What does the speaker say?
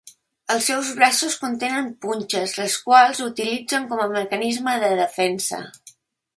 Els seus braços contenen punxes les quals utilitzen com mecanisme de defensa.